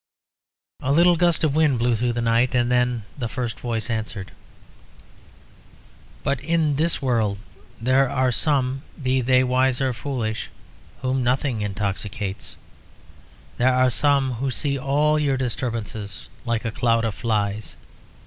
A little gust of wind blew through the night, and then the first voice answered "But in this world there are some, be they wise or foolish, whom nothing intoxicates. There are some who see all your disturbances like a cloud of flies.